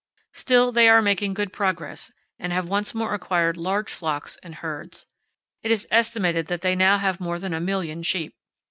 Still, they are making good progress, and have once more acquired large flocks and herds. It is estimated that they now have more than a million sheep.